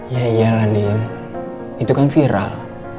ya iyalah nien itu kan viral